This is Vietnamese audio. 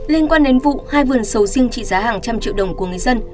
liên quan đến vụ hai vườn sầu riêng trị giá hàng trăm triệu đồng của người dân